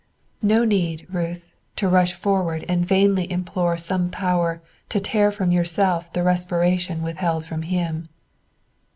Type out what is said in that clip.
No need, Ruth, to rush forward and vainly implore some power to tear from yourself the respiration withheld from him.